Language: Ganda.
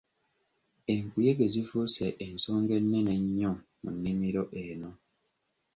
Enkuyege zifuuse ensonga ennene ennyo mu nnimiro eno.